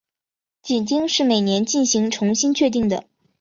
紧盯是每年进行重新确定的。